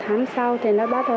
tháng sau thì nó bắt hồn